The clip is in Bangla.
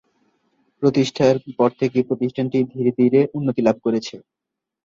প্রতিষ্ঠার পর থেকেই প্রতিষ্ঠানটি ধীরে ধীরে উন্নতি লাভ করেছে।